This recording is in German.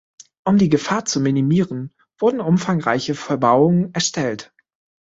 Um die Gefahr zu minimieren, wurden umfangreiche Verbauungen erstellt.